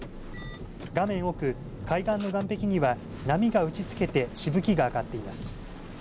画面奥、海岸の岸壁には波が打ちつけてしぶきが上がっています。